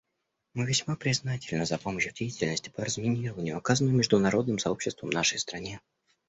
Мы весьма признательны за помощь в деятельности по разминированию, оказанную международным сообществом нашей стране.